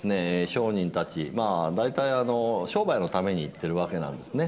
商人たちまあ大体商売のために行っているわけなんですね。